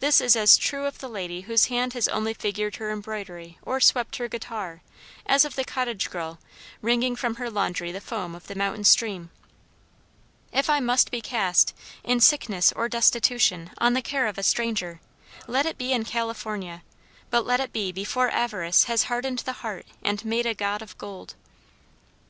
This is as true of the lady whose hand has only figured her embroidery or swept her guitar, as of the cottage girl, wringing from her laundry the foam of the mountain stream. If I must be cast, in sickness or destitution, on the care of a stranger, let it be in California; but let it be before avarice has hardened the heart and made a god of gold."